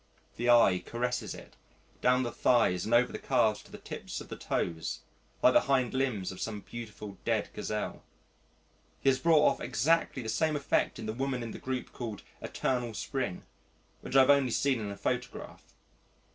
The eye caresses it down the thighs and over the calves to the tips of the toes like the hind limbs of some beautiful dead gazelle. He has brought off exactly the same effect in the woman in the group called "Eternal Spring," which I have only seen in a photograph.